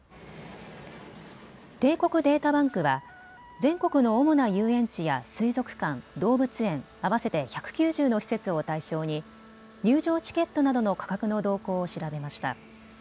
帝国データバンクは全国の主な遊園地や水族館、動物園合わせて１９０の施設を対象に入場チケットなどの価格の動向を調べました。